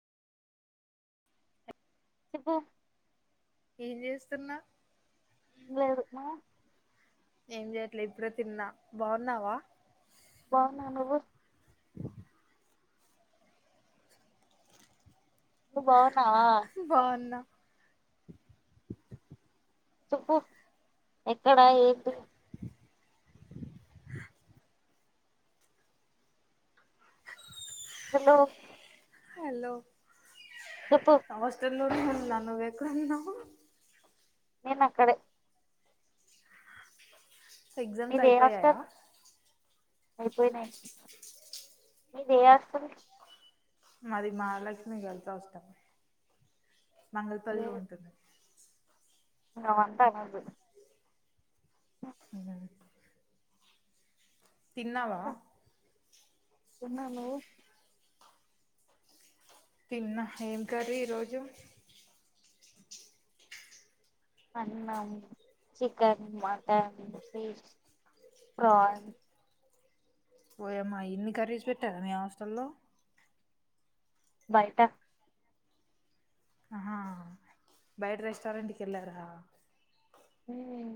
చెప్పు ఏం జేస్తున్నావ్ లేదు నువ్ ఏం చెయట్లే ఇప్పుడే తిన్నా బాగున్నావా బాగున్నా నువ్వు నువ్వు బాగున్నావా బాగున్నా ఎక్కడా ఏంటి హలో చెప్పు హాస్టల్లోనే ఉన్న నువ్వెక్కడ ఉన్నావ్ నేన్ అక్కడే ఎగ్జామ్స్ మీది ఏ అయిపోయాయా హాస్టల్ అయిపోయినాయి మీది ఏ హాస్టల్ మాది మహాలక్ష్మి గర్ల్స్ హాస్టల్ మహాల్ పల్లి లో ఉంటది గ వంటా అవదు ఉమ్ హు తిన్నావా తిన్నా నువ్వు తిన్న ఏం కర్రి ఈరోజు అన్నం చికెన్ మటన్ ఫిష్ ఫ్రాన్స్ ఓయమ్మ ఇన్ని కర్రీస్ పెట్టారా మీ హాస్టల్లో బయట ఆహా బయట రెస్టారెంట్కి వెళ్ళారా ఉ మ్